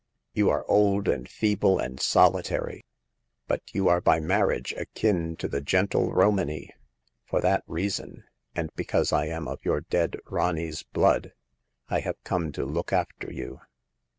You are old and feeble and soli tary ; but you are by marriage akin to the gentle Romany. For that reason, and because I am of your dead rani's blood, I have come to look after you."